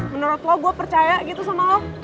menurut lo gue percaya gitu sama lo